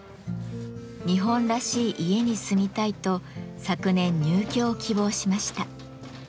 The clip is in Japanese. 日本らしい家に住みたいと昨年入居を希望しました。